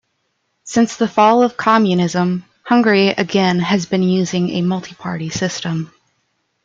Since the fall of the communism Hungary again has been using a multi-party system.